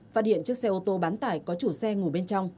phát hiện chiếc xe ô tô bán tải có chủ xe ngủ bên trong